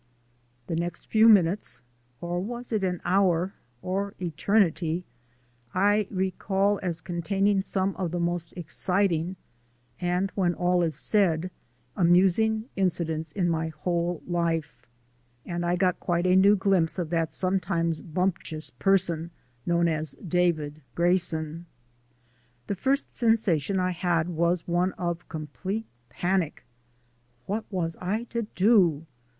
The next few minutes (or was it an hour or eternity?), I recall as containing some of the most exciting and, when all is said, amusing incidents in my whole life. And I got quite a new glimpse of that sometimes bumptious person known as David Grayson. The first sensation I had was one of complete panic. What was I to do?